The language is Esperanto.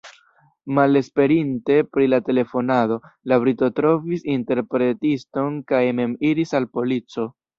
Malesperinte pri la telefonado, la brito trovis interpretiston kaj mem iris al polico.